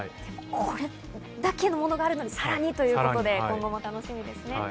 これだけのものがあるのに、さらにということで今後も楽しみですね。